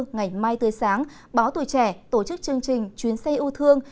ngày mai tươi sáng báo tuổi trẻ tổ chức chương trình chuyến xe ưu thương